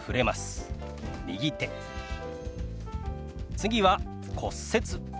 次は「骨折」。